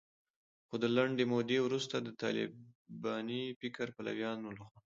خو د لنډې مودې وروسته د طالباني فکر پلویانو لخوا